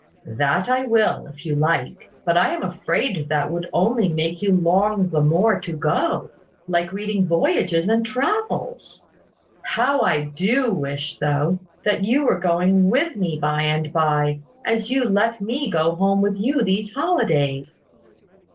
"That I will, if you like. But I am afraid that would only make you long the more to go, like reading Voyages and Travels. How I do wish, though, that you were going with me by and by, as you let me go home with you these holidays!"